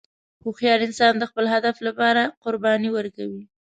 هوښیار انسان د خپل هدف لپاره قرباني ورکوي.